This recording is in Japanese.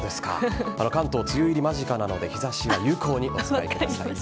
関東、梅雨入り間近なので日差しは有効にお使いください。